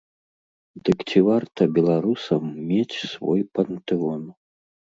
Дык ці варта беларусам мець свой пантэон?